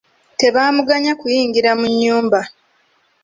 Tebaamuganya kuyingira mu nnyumba.